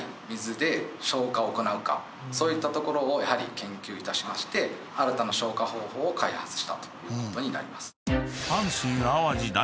そういったところをやはり研究いたしまして新たな消火方法を開発したということになります。